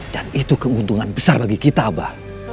dan itu keuntungan besar bagi kita abah